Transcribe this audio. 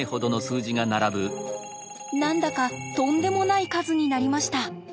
何だかとんでもない数になりました。